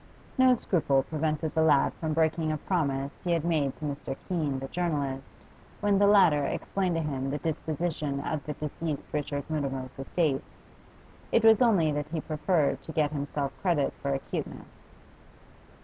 No scruple prevented the lad from breaking a promise he had made to Mr. Keene, the journalist, when the latter explained to him the disposition of the deceased Richard Mutimer's estate; it was only that he preferred to get himself credit for acuteness.